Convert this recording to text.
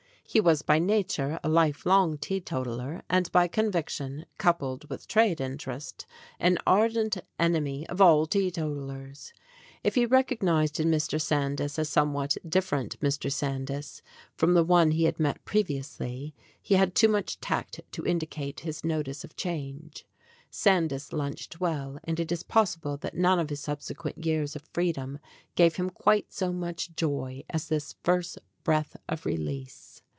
He was by nature a lifelong teetotaler, and by conviction, coupled with trade interest, an ardent enemy of all teetotalers. If he recognized in Mr. Sandys a somewhat different Mr. Sandys from the one he had met previously, he had too much tact to indicate his notice of change. Sandys lunched well, and it is possible that none of his subsequent years of freedom gave him quite so much joy as this first breath of release.